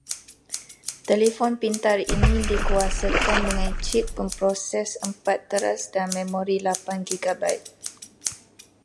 Telefon pintar ini dikuasakan dengan chip pemproses empat teras dan memori lapan gigabait.